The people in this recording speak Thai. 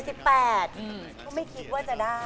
เขาไม่คิดว่าจะได้